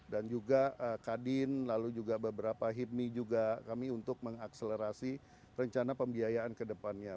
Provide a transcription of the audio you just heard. dan juga kadin lalu juga beberapa hibmi juga kami untuk mengakselerasi rencana pembiayaan kedepannya